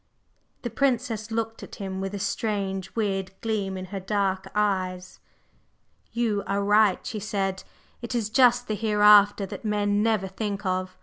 The Princess looked at him with a strange, weird gleam in her dark eyes. "You are right," she said. "It is just the Hereafter that men never think of.